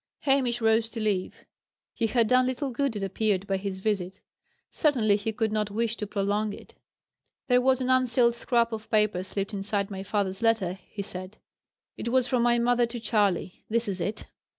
Hamish rose to leave. He had done little good, it appeared, by his visit; certainly, he could not wish to prolong it. "There was an unsealed scrap of paper slipped inside my father's letter," he said. "It was from my mother to Charley. This is it."